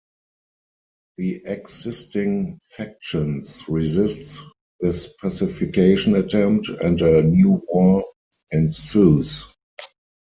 The existing factions resist this pacification attempt, and a new war ensues.